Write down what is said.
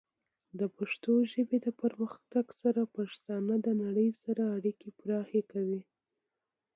د پښتو ژبې د پرمختګ سره، پښتانه د نړۍ سره اړیکې پراخه کوي.